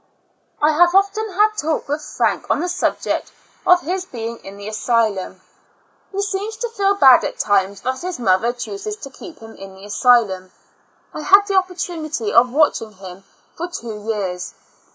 I have often had talk with Frank on the subject of his being in the asylum; he seems to feel bad at times that his mother chooses to keep him in the asylum. I had the opportunity of watching him for two years.